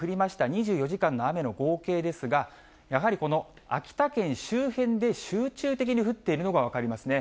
２４時間の雨の合計ですが、やはりこの秋田県周辺で、集中的に降っているのが分かりますね。